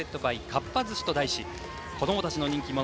かっぱ寿司と題し子供たちの人気者